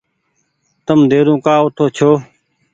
تم ديرو ڪآ اوٺو ڇو ۔